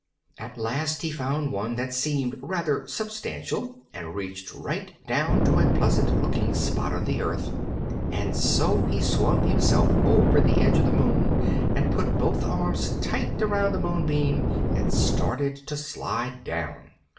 At last he found one that seemed rather substantial and reached right down to a pleasant looking spot on the earth; and so he swung himself over the edge of the moon, and put both arms tight around the moonbeam and started to slide down.